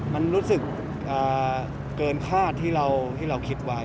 มันรู้สึกเกินคาดที่เราคิดไว้